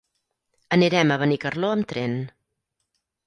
Anirem a Benicarló amb tren.